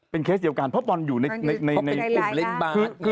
เป็นเคสเดียวกันเพราะบอลอยู่ในอุ้มเล็งบ้าน